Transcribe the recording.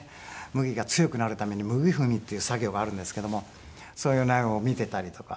麦が強くなるために麦踏みっていう作業があるんですけどもそんなのを見ていたりとか。